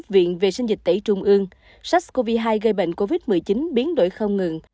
viện vệ sinh dịch tễ trung ương sars cov hai gây bệnh covid một mươi chín biến đổi không ngừng